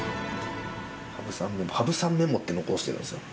羽生さんメモって残してるんですよ。